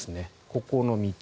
ここの道。